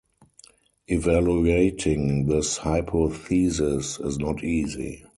Evaluating this hypothesis is not easy.